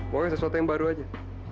pokoknya sesuatu yang baru aja